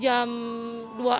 iya sempat mati lampu